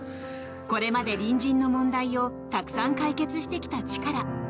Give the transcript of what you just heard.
これまで隣人の問題をたくさん解決してきたチカラ。